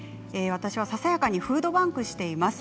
私はささやかにフードバンクをしています。